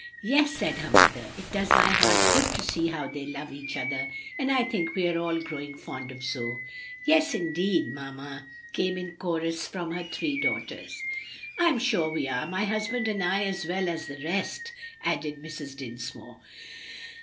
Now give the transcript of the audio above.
"Yes," said her mother, "it does my heart good to see how they love each other. And I think we are all growing fond of Zoe." "Yes, indeed, mamma!" came in chorus from her three daughters. "I'm sure we are; my husband and I as well as the rest," added Mrs. Dinsmore.